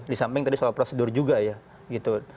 di samping tadi soal prosedur juga ya gitu